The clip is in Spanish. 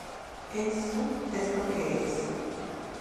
Eso es lo que es.